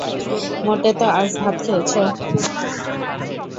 মোটে তো আজ ভাত খেয়েচো?